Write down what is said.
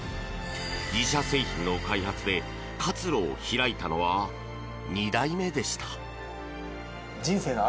自社製品の開発で活路を開いたのは２代目でした。